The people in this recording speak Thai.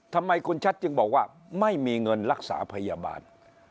ทำไมคุณชัดจึงบอกว่าไม่มีเงินรักษาพยาบาล